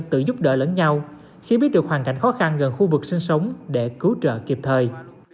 tự giúp đỡ lẫn nhau khi biết được hoàn cảnh khó khăn gần khu vực sinh sống để cứu trợ kịp thời